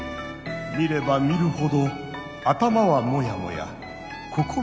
見れば見るほど頭はモヤモヤ心もモヤモヤ。